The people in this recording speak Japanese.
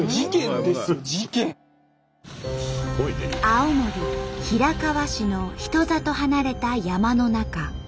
青森平川市の人里離れた山の中。